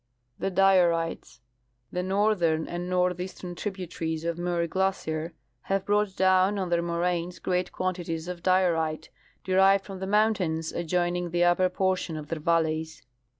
The Diorites. — The northern and northeastern tributaries of Muir glacier have brought down on their moraines great quanti ties of diorite, derived from the mountains adjoining the upper j)ortions of their valleys.